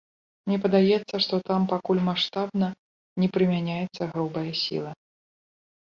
Мне падаецца, што там пакуль маштабна не прымяняецца грубая сіла.